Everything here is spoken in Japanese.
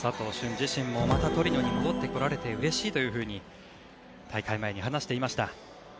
自身もまたトリノに戻ってこれてうれしいと大会前に話していました。